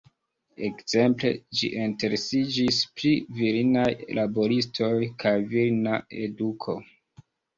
Ekzemple, ĝi interesiĝis pri virinaj laboristoj, kaj virina eduko.